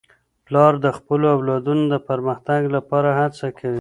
پلار د خپلو اولادونو د پرمختګ لپاره هڅه کوي.